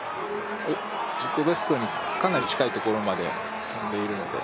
自己ベストにかなり近いところまで飛んでいるので。